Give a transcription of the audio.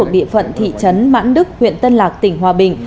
địa phận thị trấn mãn đức huyện tân lạc tỉnh hòa bình